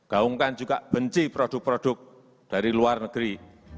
gaungkan juga benci produk produk dari luar negeri